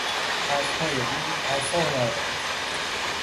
حرفهای او اعصاب مرا خرد کرد.